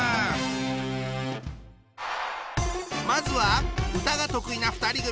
まずは歌が得意な２人組。